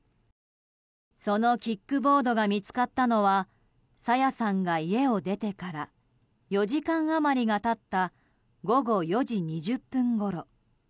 そのキックボードが見つかったのは朝芽さんが家を出てから４時間余りが経った午後４時２０分ごろ。